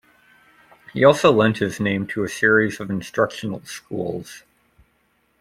He also lent his name to a series of instructional schools.